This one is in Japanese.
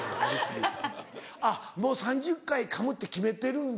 あっもう３０回かむって決めてるんだ。